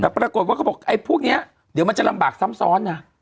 พูดไว้พวกนี้เดี๋ยวมันจะลำบากซ้ำซ้อนนะ